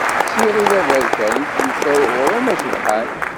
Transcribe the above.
S yiɣil aberkan, i d-yusa uɣrum acebḥan.